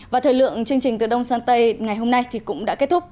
và thời lượng chương trình từ đông sang tây ngày hôm nay cũng đã kết thúc